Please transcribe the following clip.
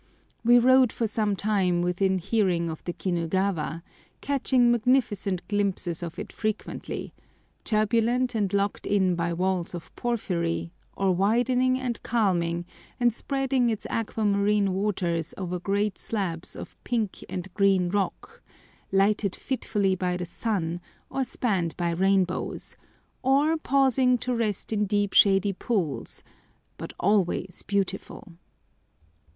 We rode for some time within hearing of the Kinugawa, catching magnificent glimpses of it frequently—turbulent and locked in by walls of porphyry, or widening and calming and spreading its aquamarine waters over great slabs of pink and green rock, lighted fitfully by the sun, or spanned by rainbows, or pausing to rest in deep shady pools, but always beautiful.